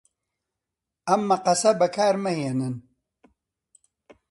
ئەم مەقەسە بەکارمەهێنن.